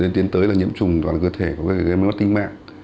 tiến tới là nhiễm trùng toàn cơ thể có thể gây mất tính mạng